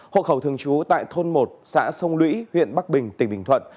hộ khẩu thường trú tại thôn một xã sông lũy huyện bắc bình tỉnh bình thuận